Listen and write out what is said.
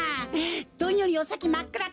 どんよりおさきまっくら